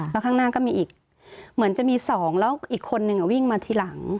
แล้วข้างหน้าก็มีอีกเหมือนจะมีสองแล้วอีกคนนึงวิ่งมาทีหลัง